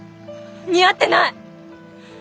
似合ってない！